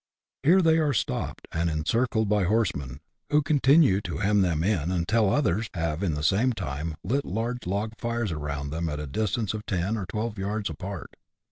Here they are stopped, and encircled by horsemen, who continue to hem them in until others have in the mean time lit large log fires around them, at a distance of ten or twelve yards apart.